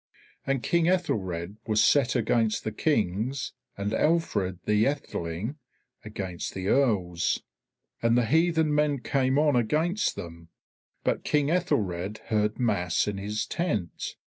And King Aethelred was set against the Kings and Alfred the Aetheling against the Earls. And the heathen men came on against them. But King Aethelred heard mass in his tent.